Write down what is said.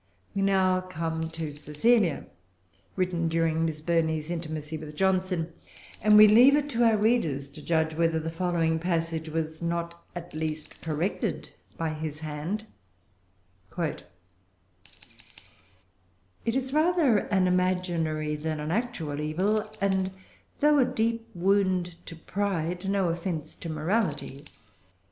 We now come to Cecilia, written during Miss Burney's intimacy with Johnson; and we leave it to our readers to judge whether the following passage was not at least corrected by his hand:— "It is rather an imaginary than an actual evil, and though a deep wound to pride, no offence to morality.